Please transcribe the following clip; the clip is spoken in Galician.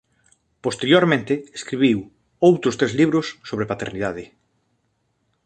Posteriormente escribiu outro tres libros sobre paternidade.